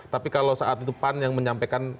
tapi kalau saat itu pan yang menyampaikan